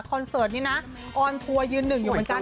คอนเสิร์ตนี้นะออนทัวร์ยืนหนึ่งอยู่บนจาน